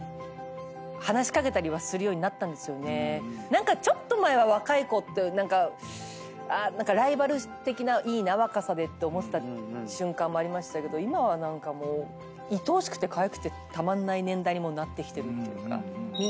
何かちょっと前は若い子ってライバル的な。いいな若さでって思ってた瞬間もありましたけど今は何かもういとおしくてかわいくてたまんない年代にもうなってきてるっていうか。